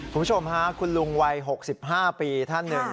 คุณผู้ชมค่ะคุณลุงวัย๖๕ปีท่านหนึ่ง